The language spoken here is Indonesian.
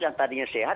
yang tadinya sehat